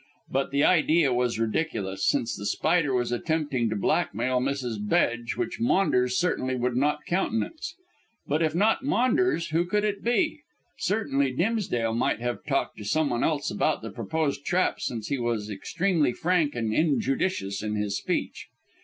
But the idea was ridiculous, since The Spider was attempting to blackmail Mrs. Bedge, which Maunders certainly would not countenance. But if not Maunders, who could it be? Certainly Dimsdale might have talked to someone else about the proposed trap, since he was extremely frank and injudicious in his speech.